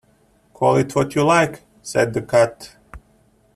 ‘Call it what you like,’ said the Cat.